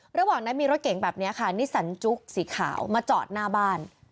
ระหว่างนั้นมีรถเก๋งแบบนี้ค่ะนิสันจุ๊กสีขาวมาจอดหน้าบ้าน